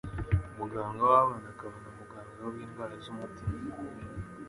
muganga w'abana akaba na muganga w'indwara z'umutima,